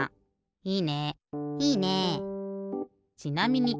いいね。